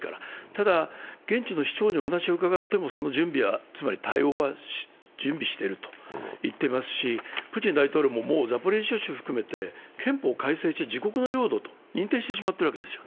ただ、現地の市長に伺ってもその準備は、つまり対応は準備していると言っていますし、プーチン大統領も、ザポリージャ州含め憲法改正して自国の領土と認定してしまっているわけです。